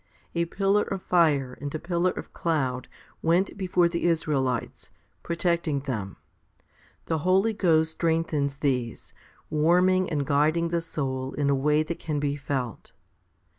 A pillar of fire and a pillar of cloud went before the Israelites, protecting them : the Holy Ghost strengthens these, warming and guiding the soul in a way that can be felt.